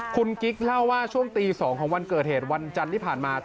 คุณกิ๊กเล่าว่าช่วงตี๒ของวันเกิดเหตุวันจันทร์ที่ผ่านมา